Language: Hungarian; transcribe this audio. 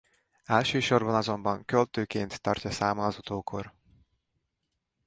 Elsősorban azonban költőként tartja számon az utókor.